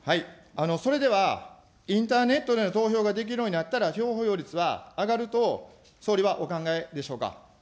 それでは、インターネットで投票ができるようになったら、投票率は上がると、総理はお考えでしょうか。